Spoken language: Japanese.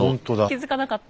気付かなかった。